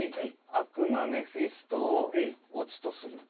「悪魔メフィストを乙とする。